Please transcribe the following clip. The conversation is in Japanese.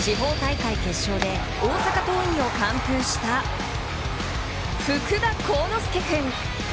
地方大会決勝で大阪桐蔭を３安打完封した福田幸之介君。